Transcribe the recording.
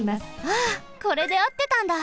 あこれであってたんだ！